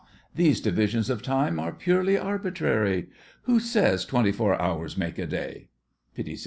These divisions of time are purely arbitrary. Who says twenty four hours make a day? PITTI.